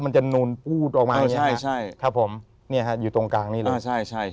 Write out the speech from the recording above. มันจะนูนปูดออกมาใช่ครับผมนี่ฮะอยู่ตรงกลางนี้เลยใช่